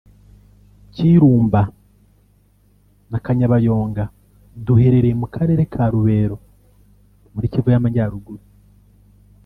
Kirumba na Kanyabayonga duherereye mu karere ka Lubero muri Kivu y’Amajyaruguru